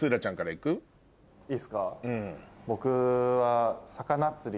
いいすか？